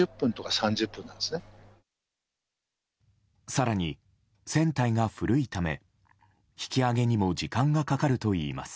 更に、船体が古いため引き揚げにも時間がかかるといいます。